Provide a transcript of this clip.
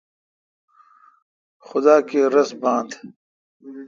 خدا کیر رس بان تھ ۔